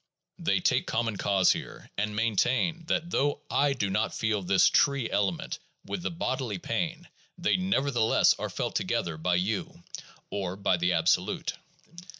They take common cause here, and maintain that though I do not feel this "tree" element with the bodily pain, they nevertheless are felt together by you, or by the absolute.